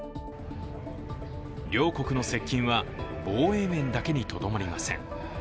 両国の接近は防衛面だけにとどまりません。